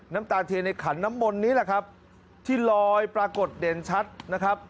น้ำตาเทียนในขันน้ำมนต์นี้แหละครับที่ลอยปรากฏเด่นชัดนะครับ